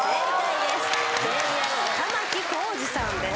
玉置浩二さんです。